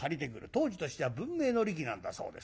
当時としては文明の利器なんだそうですな。